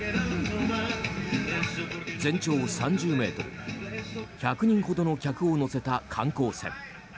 全長３０ｍ１００人ほどの客を乗せた観光船。